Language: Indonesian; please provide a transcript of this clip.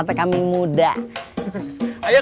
mengapakah dia ingin melakukan ke piradatu suh aso